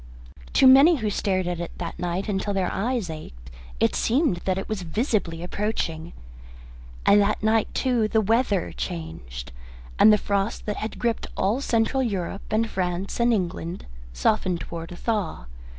To many who stared at it that night until their eyes ached it seemed that it was visibly approaching. And that night, too, the weather changed, and the frost that had gripped all Central Europe and France and England softened towards a thaw.